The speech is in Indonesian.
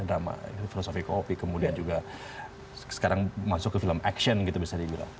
drama filosofi kopi kemudian juga sekarang masuk ke film action gitu bisa dibilang